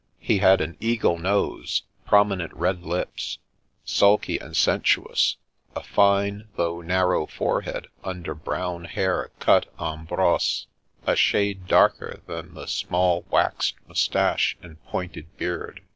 He had an eagle nose, prominent red lips, sulky and sensuous, a The Great Paolo 239 fine though narrow forehead under brown hair cut en brosse, a shade darker than the small, waxed moustache and pointed beard.